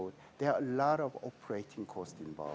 ada banyak harga operasi yang terlibat